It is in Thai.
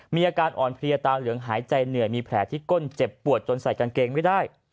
มีอาการอ่อนเพลียตาเหลืองหายใจเหนื่อยมีแผลที่ก้นเจ็บปวดจนใส่กางเกงไม่ได้